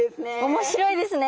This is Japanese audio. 面白いですね。